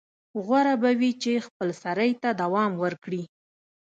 غوره به وي چې خپلسرۍ ته دوام ورکړي.